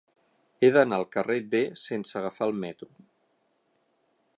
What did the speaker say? He d'anar al carrer D sense agafar el metro.